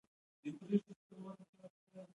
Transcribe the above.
اوبزین معدنونه د افغانستان د پوهنې نصاب کې شامل دي.